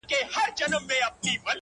سترگي دي پټي كړه ويدېږمه زه.